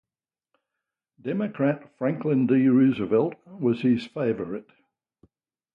Democrat Franklin D. Roosevelt was his favorite.